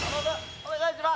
お願いします！